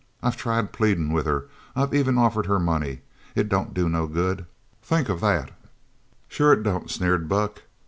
I've tried pleadin' with her I've even offered her money. It don't do no good. Think of that!" "Sure it don't," sneered Buck.